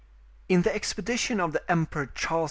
In the expedition of the Emperor Charles V.